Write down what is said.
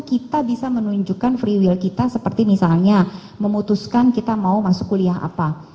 kita bisa menunjukkan free will kita seperti misalnya memutuskan kita mau masuk kuliah apa